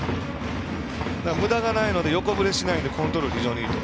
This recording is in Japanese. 無駄がないので横ぶれしないのでコントロールが非常にいいと。